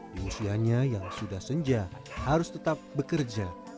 di usianya yang sudah senja harus tetap bekerja